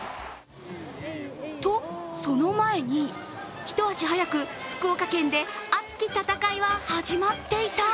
と、その前に一足早く福岡県で熱き戦いは始まっていた。